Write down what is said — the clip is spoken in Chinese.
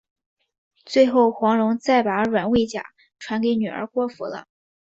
最后黄蓉再把软猬甲传给女儿郭芙了。